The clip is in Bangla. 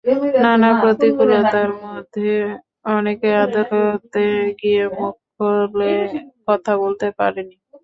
নানা প্রতিকূলতার মধ্যে অনেকে আদালতে গিয়ে মুখ খুলে কথা বলতে পারেনি।